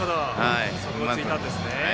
そこを突いたんですね。